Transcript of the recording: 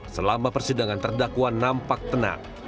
selama persidangan terdakwa nampak tenang